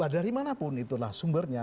dari manapun itulah sumbernya